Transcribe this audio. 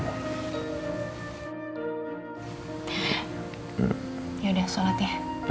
yaudah salat ya